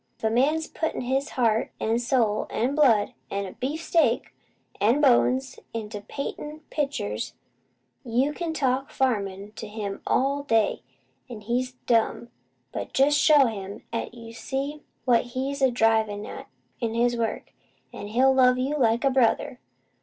If a man's puttin' his heart an' soul, an' blood, an' beef steak, an' bones into paintin' picters, you can talk farmin' to him all day, an' he's dumb; but jest show him 'at you see what he's a drivin' at in his work, an' he'll love you like a brother.